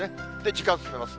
時間進めます。